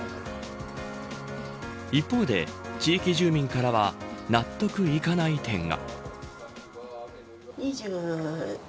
一方で、地域住民からは納得いかない点が。